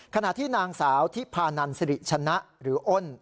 ขณะที่นางสาวทิพานันสิริชนะหรืออ้น